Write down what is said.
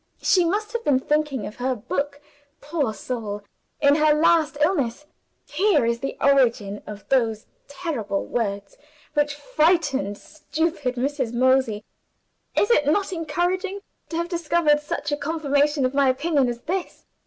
She must have been thinking of her book, poor soul, in her last illness. Here is the origin of those 'terrible words' which frightened stupid Mrs. Mosey! Is it not encouraging to have discovered such a confirmation of my opinion as this?